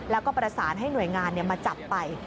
แล้วก็ประสานให้หน่วยงานมาจับไป